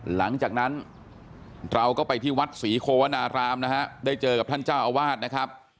หลังจากนั้นเราก็ไปที่วัดศรีโควนารามนะฮะได้เจอกับท่านเจ้าอาวาสนะครับ